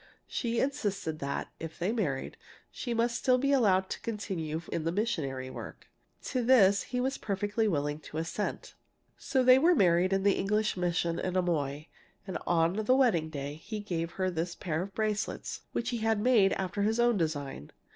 She insisted that, if they married, she must still be allowed to continue in the missionary work. To this he was perfectly willing to assent. "So they were married in the English mission at Amoy, and on the wedding day he gave her this pair of bracelets which he had had made after his own design.